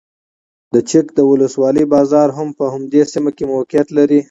د چک د ولسوالۍ بازار هم په همدې سیمه کې موقعیت لري.